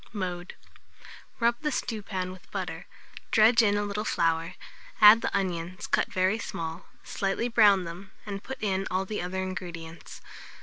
Mode. Rub the stewpan with butter, dredge in a little flour, add the onions cut very small, slightly brown them, and put in all the other ingredients.